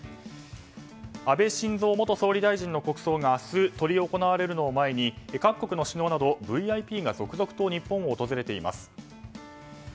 安倍晋三元総理大臣の国葬が明日、執り行われるのを前に各国の首脳などＶＩＰが続々と日本を訪れています。